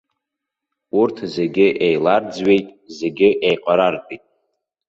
Урҭ зегьы еиларӡҩеит, зегьы еиҟарартәит.